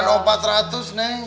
enggak ada empat ratus neng